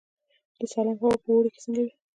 د سالنګ هوا په اوړي کې څنګه وي؟